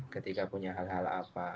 ketika punya hal hal apa